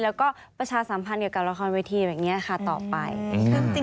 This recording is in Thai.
แล้วก็ประชาสัมพันธ์เกี่ยวกับละครเวทีแบบนี้ค่ะต่อไป